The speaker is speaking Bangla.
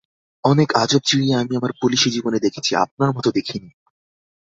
অনেক আজব চিড়িয়া আমি আমার পুলিশী জীবনে দেখেছি, আপনার মতো দেখি নি।